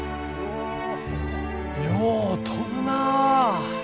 よう飛ぶなぁ。